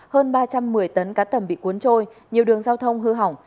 hơn ba trăm một mươi tấn cá tầm bị cuốn trôi nhiều đường giao thông hư hỏng